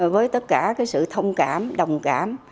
với tất cả cái sự thông cảm đồng cảm